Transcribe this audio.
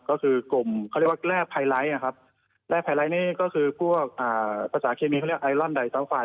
ก็คือกลุ่มเขาเรียกว่าแร่ไฮไลท์นะครับแร่ไฮไลท์นี่ก็คือพวกภาษาเคมีเขาเรียกไอลอนไดทัลไฟล